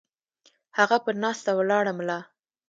هغه پۀ ناسته ولاړه ملا